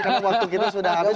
karena waktu kita sudah habis